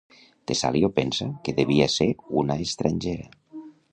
Tesalio pensa que devia ser una estrangera.